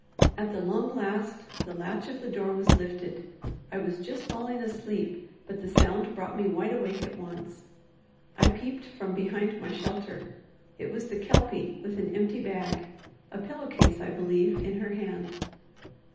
At the long last the latch of the door was lifted. I was just falling asleep, but the sound brought me wide awake at once. I peeped from behind my shelter. It was the Kelpie, with an empty bag a pillow case, I believe in her hand.